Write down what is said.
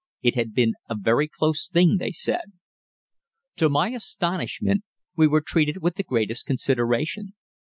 It had been a very close thing they said. To my astonishment we were treated with the greatest consideration.